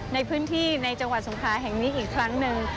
ในพื้นที่ในจังหวัดสงคราแห่งนี้อีกครั้งหนึ่ง